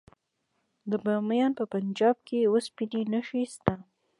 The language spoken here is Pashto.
د بامیان په پنجاب کې د وسپنې نښې شته.